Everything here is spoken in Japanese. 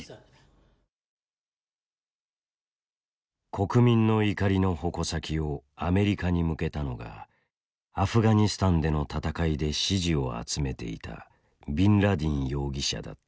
国民の怒りの矛先をアメリカに向けたのがアフガニスタンでの戦いで支持を集めていたビンラディン容疑者だった。